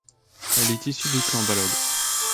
Elle est issue du clan Balog.